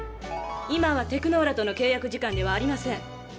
今はテクノーラとの契約時間ではありません！